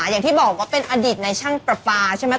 อย่างที่บอกว่าเป็นอดีตในช่างประปาใช่ไหม